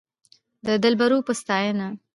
د دلبرو په ستاينه